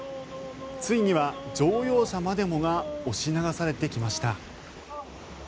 ついには乗用車までもが押し流されてきました。